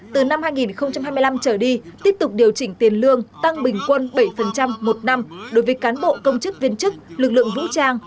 từ năm hai nghìn hai mươi năm trở đi tiếp tục điều chỉnh tiền lương tăng bình quân bảy một năm đối với cán bộ công chức viên chức lực lượng vũ trang